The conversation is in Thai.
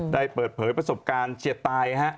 ได้เปิดเผยประสบการณ์เฉียดตายฮะ